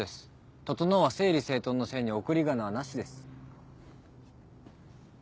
整は整理整頓の「整」に送り仮名はなしです。